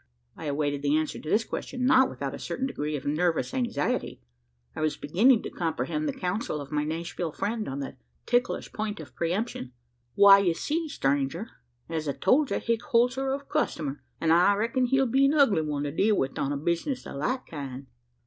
I awaited the answer to this question, not without a certain degree of nervous anxiety. I was beginning to comprehend the counsel of my Nashville friend on the ticklish point of pre emption. "Why, you see, stranger as I told you, Hick Holt's a rough customer; an' I reckon he'll be an ugly one to deal wi', on a bisness o' that kind."